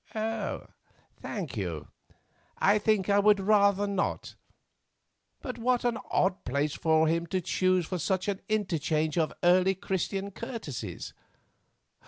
"Thank you; I think I would rather not. But what an odd place for him to choose for this interchange of early Christian courtesies!